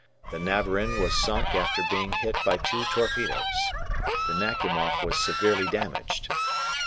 The "Navarin" was sunk after being hit by two torpedoes. The "Nakhimoff" was severely damaged.